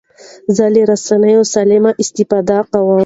زه له رسنیو سالمه استفاده کوم.